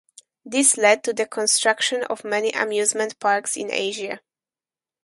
This led to the construction of many amusement parks in Asia.